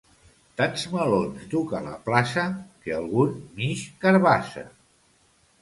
Tants melons duc a la plaça, que algun m'ix carabassa.